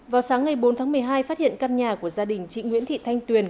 vào sáng ngày bốn tháng một mươi hai phát hiện căn nhà của gia đình chị nguyễn thị thanh tuyền